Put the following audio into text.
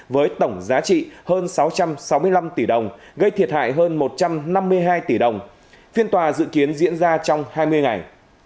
với tổng giá trị hơn sáu trăm sáu mươi năm tỷ đồng gây thiệt hại hơn một trăm năm mươi hai tỷ đồng phiên tòa dự kiến diễn ra trong hai mươi ngày